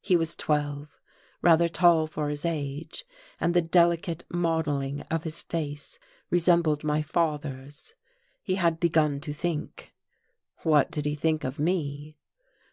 He was twelve, rather tall for his age, and the delicate modelling of his face resembled my father's. He had begun to think.. What did he think of me?